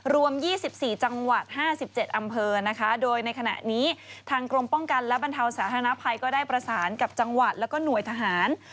รวม๒๔จังหวัด๕๗อำเภอนะคะโดยในขณะนี้ทางกรมป้องกันและบรรเทาสาธารณภัยก็ได้ประสานกับจังหวัดแล้วก็หน่วยทหาร